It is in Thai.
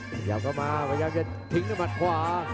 ขยับกลับมาพยายามจะทิ้งด้วยมัดขวา